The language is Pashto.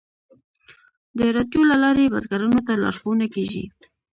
د راډیو له لارې بزګرانو ته لارښوونه کیږي.